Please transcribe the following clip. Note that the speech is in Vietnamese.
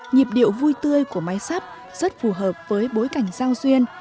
nhịp điệu vui tươi của máy sắp rất phù hợp với bối cảnh giao duyên